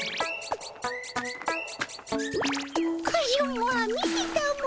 カジュマ見てたも。